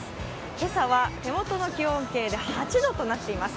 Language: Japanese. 今朝は手元の気温計で８度となっています。